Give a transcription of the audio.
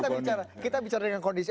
tapi kita bicara dengan kondisi